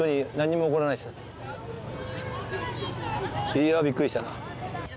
いやびっくりしたな。